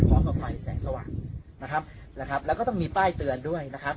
ไฟแสงสว่างนะครับนะครับแล้วก็ต้องมีป้ายเตือนด้วยนะครับ